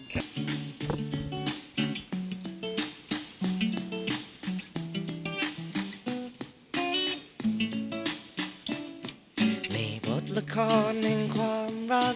ขอบคุณค่ะ